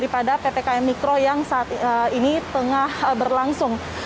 pada ppkm mikro yang saat ini tengah berlangsung